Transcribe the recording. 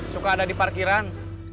suka ada di parkiran